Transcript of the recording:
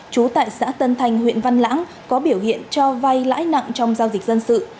trú tại xã tân thành huyện văn lãng có biểu hiện cho vay lãi nặng trong giao dịch dân sự